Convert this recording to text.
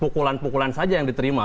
pukulan pukulan saja yang diterima